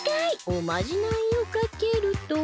おまじないをかけると。